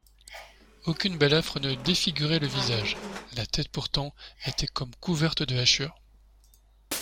Aucune balafre ne défigurait le visage ; la tête pourtant était comme couverte de hachures.